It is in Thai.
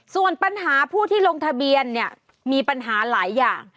ส่วนปัญหาผู้ที่ลงทะเบียนเนี่ยมีปัญหาหลายอย่าง